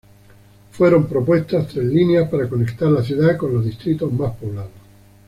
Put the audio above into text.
Fueron propuestas tres líneas para conectar la ciudad con los distritos más poblados.